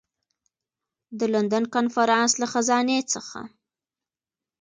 د لندن کنفرانس له خزانې څخه.